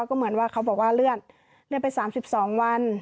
ก็เหมือนว่าเขาบอกว่าเลื่อนไป๓๒วัน